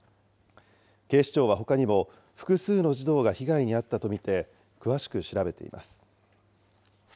警視庁はほかにも複数の児童が被害に遭ったと見て詳しく調べています。